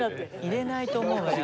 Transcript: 入れないと思うわよ